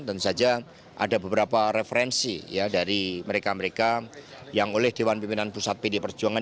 tentu saja ada beberapa referensi ya dari mereka mereka yang oleh dewan pimpinan pusat pd perjuangan